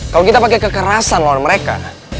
kalo kita pake kekerasan lawan mereka